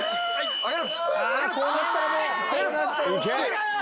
上げる。